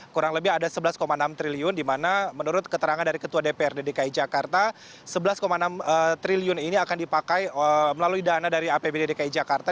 kurang lebih ada sebelas enam triliun di mana menurut keterangan dari ketua dprd dki jakarta rp sebelas enam triliun ini akan dipakai melalui dana dari apbd dki jakarta